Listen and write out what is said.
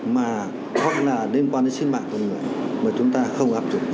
mà hoặc là liên quan đến sinh mạng của người mà chúng ta không áp dụng